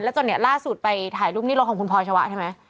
จนเนี่ยล่าสุดไปถ่ายรูปนี่รถของคุณพลอยชวะใช่ไหม